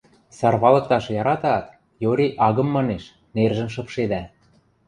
Сарвалыкташ яратаат, йори «агым» манеш, нержӹм шыпшедӓ.